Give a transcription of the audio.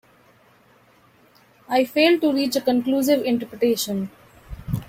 I failed to reach a conclusive interpretation.